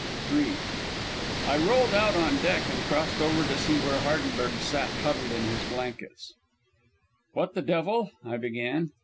III I rolled out on the deck and crossed over to where Hardenberg sat huddled in his blankets. "What the devil " I began.